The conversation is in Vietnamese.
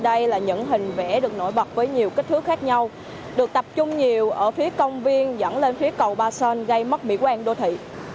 đây là những hình vẽ được nổi bật với nhiều kích thước khác nhau được tập trung nhiều ở phía công viên dẫn lên phía cầu ba son gây mất mỹ quen đô thị